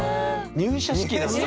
入社式なんだ。